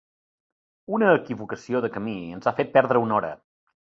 Una equivocació de camí ens ha fet perdre una hora.